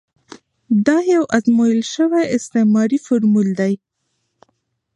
دا یو ازمویل شوی استعماري فورمول دی.